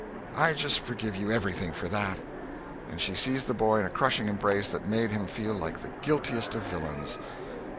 I just forgive you everything for that!" And she seized the boy in a crushing embrace that made him feel like the guiltiest of villains.